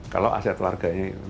kalau aset warganya itu